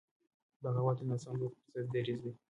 بغاوت د ناسم دود پر ضد دریځ دی.